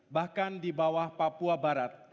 bahkan di bawah papua barat